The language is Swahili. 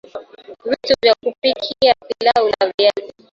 Vitu vya kupikia pilau la viazi